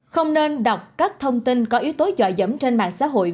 không nên đọc các thông tin có yếu tố dọa dẫm trên mạng xã hội